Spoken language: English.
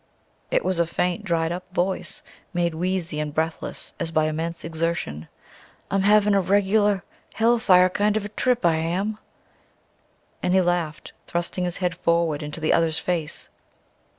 It was a faint, dried up voice, made wheezy and breathless as by immense exertion. "I'm havin' a reg'lar hellfire kind of a trip, I am." And he laughed, thrusting his head forward into the other's face.